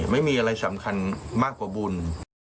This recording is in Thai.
ไม่มีอะไรสำคัญมากกว่าบุญ